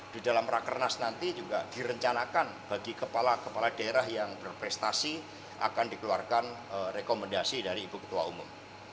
di dalam rakernas nanti juga direncanakan bagi kepala kepala daerah yang berprestasi akan dikeluarkan rekomendasi dari ibu ketua umum